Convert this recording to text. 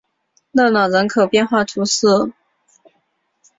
勒朗人口变化图示